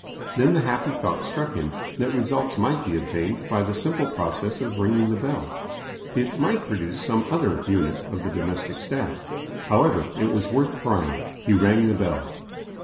Then the happy thought struck him that results might be obtained by the simple process of ringing the bell. It might produce some other unit of the domestic staff. However, it was worth trying. He rang the bell.